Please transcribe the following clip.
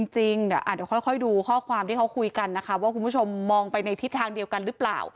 จริงเดี๋ยวค่อยดูข้อความที่เขาคุยกันนะคะว่าคุณผู้ชมมองไปในทิศทางเดียวกันหรือเปล่า